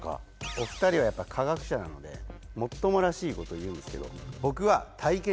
お２人はやっぱ科学者なのでもっともらしいことを言うんですけど。